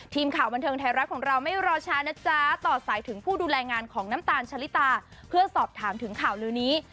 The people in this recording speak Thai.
ทีมข่าวบันเทิงไทยรัฐของเราไม่รอช้านะจ๊ะต่อสายถึงผู้ดูแลงานของน้ำตาลชะลิตาเพื่อสอบถามถึงข่าวลือนี้